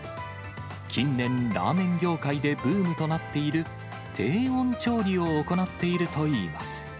近年、ラーメン業界でブームとなっている低温調理を行っているといいます。